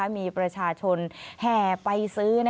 มีประชาชนแห่ไปซื้อ